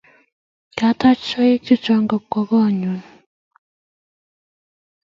Kataach toek chechang' kopwan konyun